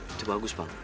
itu bagus pang